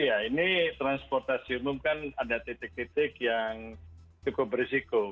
iya ini transportasi umum kan ada titik titik yang cukup berisiko